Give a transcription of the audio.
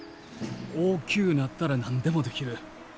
大きゅうなったら何でもできる。